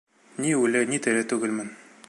Ни үле, ни тере түгелмен.